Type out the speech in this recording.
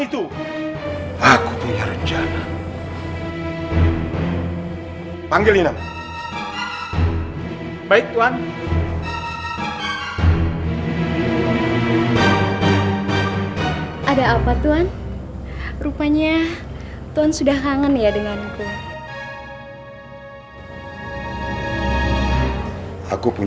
terima kasih tuan